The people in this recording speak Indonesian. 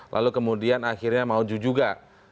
lalu kemudian akhirnya mau juga